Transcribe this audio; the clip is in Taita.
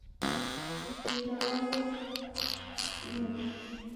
Mpira ghwaw'edunda.